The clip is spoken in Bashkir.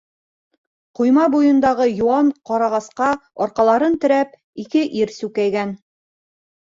Ҡойма буйындағы йыуан ҡарағасҡа арҡаларын терәп, ике ир сүкәйгән.